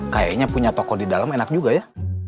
kayaknya punya toko di dalam enak juga ya